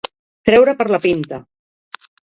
Treure per la pinta.